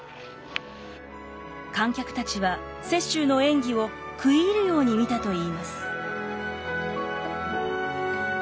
観客たちは雪洲の演技を食い入るように見たといいます。